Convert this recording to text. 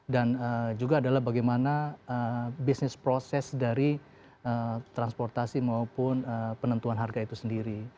dan juga adalah bagaimana bisnis proses dari transportasi maupun penentuan harga itu sendiri